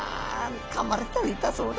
かまれたら痛そうだな。